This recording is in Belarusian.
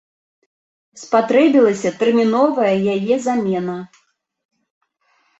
Спатрэбілася тэрміновая яе замена.